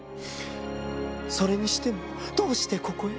「それにしてもどうしてここへ？